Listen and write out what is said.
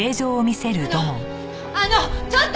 あのあのちょっと！